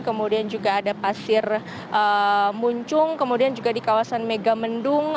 kemudian juga ada pasir muncung kemudian juga di kawasan megamendung